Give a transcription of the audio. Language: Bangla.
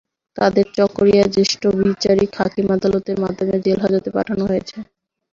তাঁদের চকরিয়া জ্যেষ্ঠ বিচারিক হাকিম আদালতের মাধ্যমে জেল হাজতে পাঠানো হয়েছে।